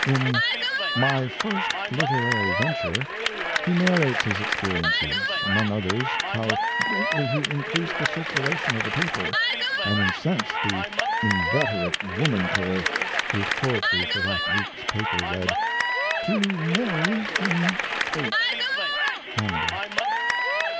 In 'My First Literary Venture', he narrates his experiences, amongst others how greatly he increased the circulation of the paper, and incensed the "inveterate woman killer," whose poetry for that week's paper read, "To Mary in H l" (Hannibal).